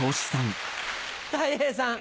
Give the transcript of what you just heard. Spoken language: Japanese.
たい平さん。